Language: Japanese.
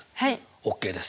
ＯＫです。